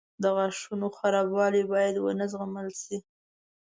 • د غاښونو خرابوالی باید ونه زغمل شي.